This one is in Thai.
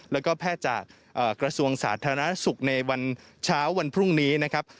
แล้วก็แพทย์จากกระทรวงสาธารณสุขในวันเช้าวันพรุ่งนี้นะครับ